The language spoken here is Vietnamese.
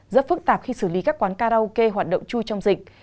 rất phức tạp khi xử lý các quán karaoke hoạt động chui trong dịch